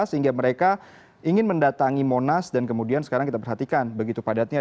sehingga mereka ingin mendatangi monas dan kemudian sekarang kita perhatikan begitu padatnya